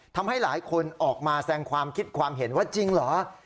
ทำให้หลายคนออกมาแสงความคิดความเห็นว่าจริงเหรอ